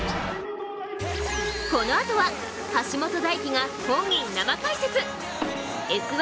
このあとは橋本大輝が本人生解説！「Ｓ☆１」